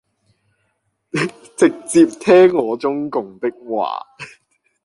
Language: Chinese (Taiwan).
直接聽我中共的話